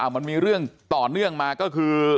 มันมีเรื่องต่อเนื่องมาก็คือ